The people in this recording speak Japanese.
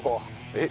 えっ？